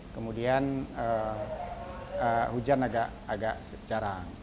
kemudian hujan agak jarang